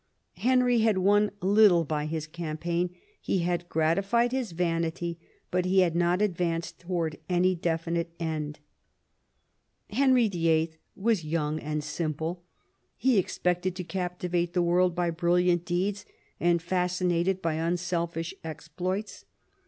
Henry had won little by his campaign ; he had gratified his vanity, but he had not advanced towards any definite end Henry VIH. was young and simple. He expected to captivate the world by brilliant deeds, and fascinate it by unselfish exploits.